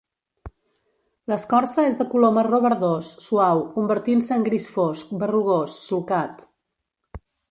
L'escorça és de color marró verdós, suau, convertint-se en gris fosc, berrugós, solcat.